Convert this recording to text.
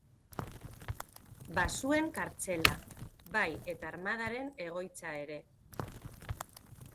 Bazuen kartzela, bai eta armadaren egoitza ere.